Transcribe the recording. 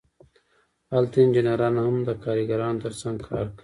هلته انجینران هم د کارګرانو ترڅنګ کار کوي